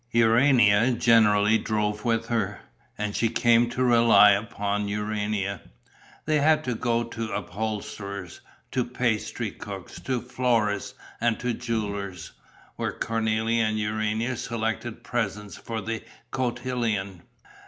Urania generally drove with her; and she came to rely upon Urania. They had to go to upholsterers, to pastry cooks, to florists and to jewellers, where Cornélie and Urania selected presents for the cotillon.